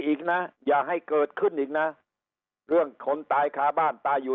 อีกนะอย่าให้เกิดขึ้นอีกนะเรื่องคนตายคาบ้านตายอยู่